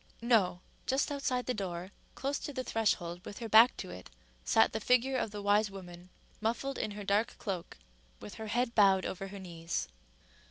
—No: just outside the door, close to the threshold, with her back to it, sat the figure of the wise woman, muffled in her dark cloak, with her head bowed over her knees.